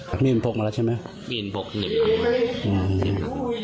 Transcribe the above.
มีอินพลกมาแล้วใช่ไหมอืม